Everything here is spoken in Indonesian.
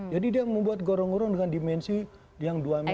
jadi dia membuat gorong gorong dengan dimensi yang dua meter